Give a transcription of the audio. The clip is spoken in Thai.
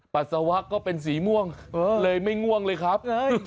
ปัสสาวะก็เป็นสีม่วงเลยไม่ง่วงเลยครับ